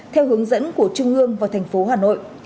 theo hướng dẫn của trung ương và thành phố hà nội